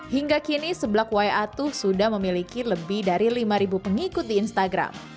hingga kini seblak waya atuh sudah memiliki lebih dari lima pengikut di instagram